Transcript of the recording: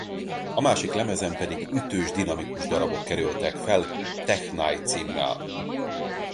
A másik lemezen pedig ütős dinamikus darabok kerültek fel Tech Night címmel.